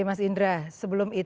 kalau kita terbuka